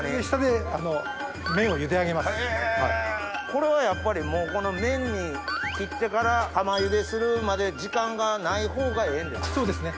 これはやっぱり麺に切ってから釜茹でするまで時間がないほうがええんですか？